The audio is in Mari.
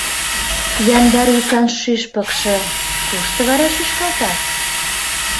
Яндар йӱкан шӱшпыкшӧ Кушто вара шӱшкалта?